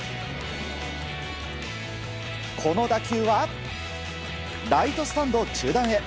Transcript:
この打球はライトスタンド中段へ。